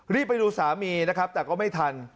รีบไปดูสามีนะครับแต่ก็ไม่ทัน